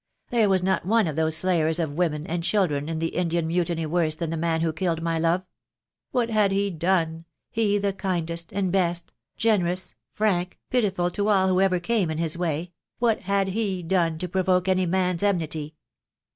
There was not one of those slayers of women and children in the Indian mutiny worse than the man who killed my love. What had he done — he, the kindest and best — generous, frank, pitiful to all who ever came in his way — what had lie done to provoke any man's enmity?